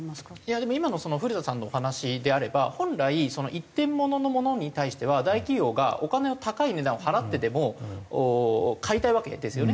でも今の古田さんのお話であれば本来一点物のものに対しては大企業がお金を高い値段を払ってでも買いたいわけですよね。